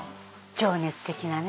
情熱的なね。